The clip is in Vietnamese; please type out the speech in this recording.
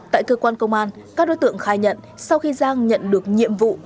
tại cơ quan công an các đối tượng khai nhận sau khi giang nhận được nhiệm vụ